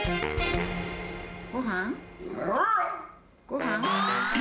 ごはん？え？